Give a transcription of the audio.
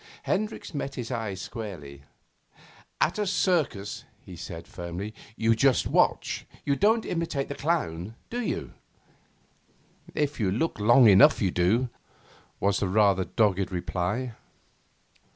Hendricks met his eyes squarely. 'At a circus,' he said firmly, 'you just watch. You don't imitate the clown, do you?' 'If you look on long enough, you do,' was the rather dogged reply.